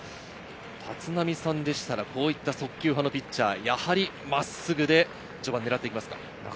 立浪さんでしたら、こういう速球派のピッチャー、真っすぐで序盤、狙っていきますか？